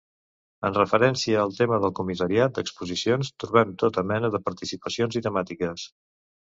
En referència al tema del comissariat d'exposicions trobem tota mena de participacions i temàtiques.